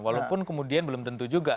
walaupun kemudian belum tentu juga